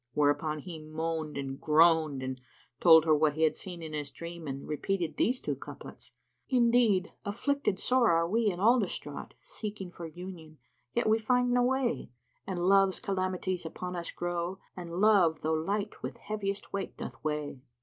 Whereupon he moaned and groaned and told her what he had seen in his dream and repeated these two couplets, "Indeed afflicted sore are we and all distraught, * Seeking for union; yet we find no way: And Love's calamities upon us grow * And Love though light with heaviest weight doth weigh."